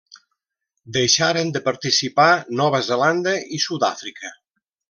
Deixaren de participar Nova Zelanda i Sud-àfrica.